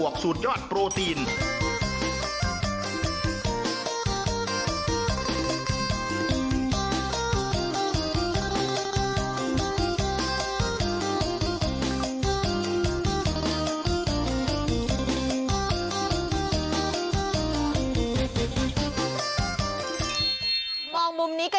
ก็จริง